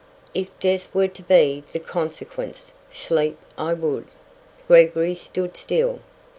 If death were to be the consequence, sleep I would. Gregory stood still.